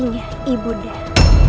buktinya ibu darah